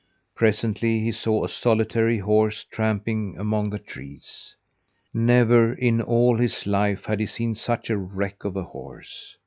Presently he saw a solitary horse tramping among the trees. Never in all his life had he seen such a wreck of a horse!